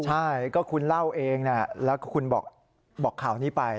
ใช่ก็คุณเล่าเองแล้วคุณบอกข่าวนี้ไป